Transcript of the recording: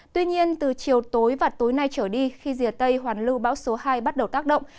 tuy nhiên từ chiều tối và tối nay trở đi khi rìa tây hoàn lưu bão số hai bắt đầu tác động